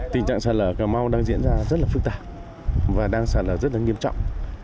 tình trạng sạt lở ở cà mau đang diễn ra rất phức tạp và đang sạt lở rất nghiêm trọng